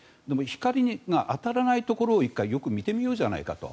光に当たらないところを一回よく見てみようじゃないかと。